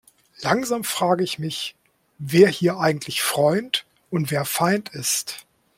Langsam frage ich mich, wer hier eigentlich Freund und wer Feind ist.